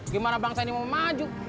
gimana bangsa ini mau maju